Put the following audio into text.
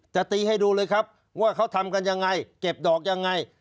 จะตีให้ดูเลยครับว่าเขาทำกันยังไงเก็บดอกยังไง